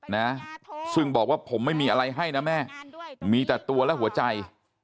นะซึ่งบอกว่าผมไม่มีอะไรให้นะแม่มีแต่ตัวและหัวใจ